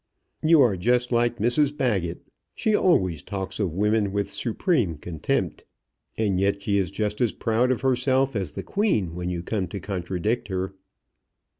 "You are just like Mrs Baggett. She always talks of women with supreme contempt. And yet she is just as proud of herself as the queen when you come to contradict her."